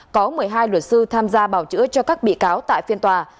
có một mươi hai luật sư tham gia bảo chữa cho các bị cáo tại phiên tòa